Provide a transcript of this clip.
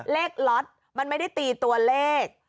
ล็อตมันไม่ได้ตีตัวเลข